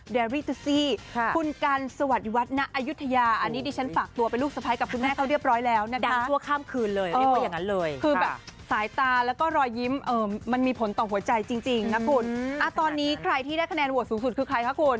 กันสวัสดีวัฒนอายุทยาอันนี้ดิฉันฝากตัวเป็นลูกสะพ้ายกับคุณแม่เขาเรียบร้อยแล้วนะดังชั่วข้ามคืนเลยเรียกว่าอย่างนั้นเลยคือแบบสายตาแล้วก็รอยยิ้มมันมีผลต่อหัวใจจริงนะคุณตอนนี้ใครที่ได้คะแนนโหวตสูงสุดคือใครคะคุณ